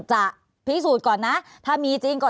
ภารกิจสรรค์ภารกิจสรรค์